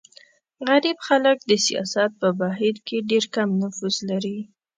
غریب خلک د سیاست په بهیر کې ډېر کم نفوذ لري.